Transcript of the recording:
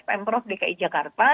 pm prof dki jakarta